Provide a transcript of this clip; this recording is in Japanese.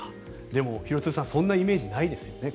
でも、廣津留さんそんなイメージないですよね。